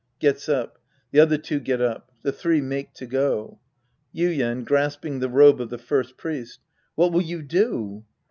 {Gets up. The other two get up. The three make to go.) Yuien {grasping the robe of the First Priest). What will you do